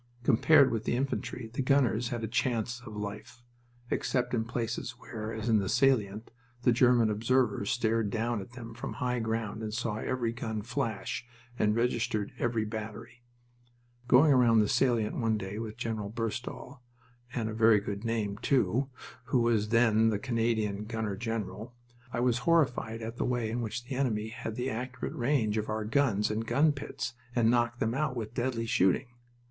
Compared with the infantry, the gunners had a chance of life, except in places where, as in the salient, the German observers stared down at them from high ground and saw every gun flash and registered every battery. Going round the salient one day with General Burstall and a very good name, too! who was then the Canadian gunner general, I was horrified at the way in which the enemy had the accurate range of our guns and gun pits and knocked them out with deadly shooting.